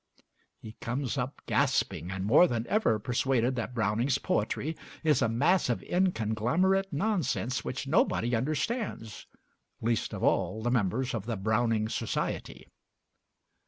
He comes up gasping, and more than ever persuaded that Browning's poetry is a mass of inconglomerate nonsense, which nobody understands least of all members of the Browning Society.